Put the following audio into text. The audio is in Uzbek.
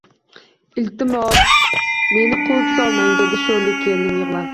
Iltimos, meni quvib solmang, dedi sho`rlik kelinim yig`lab